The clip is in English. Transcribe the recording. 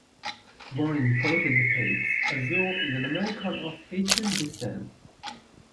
Born in Port-de-Paix, Azor is an American of Haitian descent.